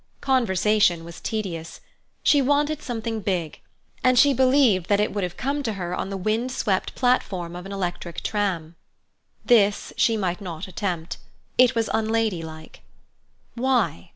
Conversation was tedious; she wanted something big, and she believed that it would have come to her on the wind swept platform of an electric tram. This she might not attempt. It was unladylike. Why?